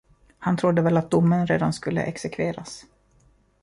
Han trodde väl att domen redan skulle exekveras.